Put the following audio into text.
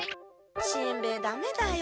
しんべヱダメだよ。